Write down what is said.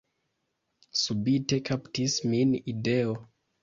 Subite kaptis min ideo.